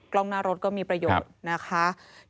กล้องหน้ารถก็มีประโยชน์นะคะ